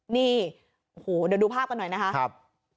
นี่โอ้โหเดี๋ยวดูภาพกันหน่อยนะครับ